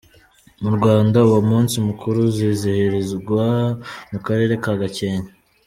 Mu Rwanda uwo munsi mukuru uzizihirizwa mu karere ka Gakenke.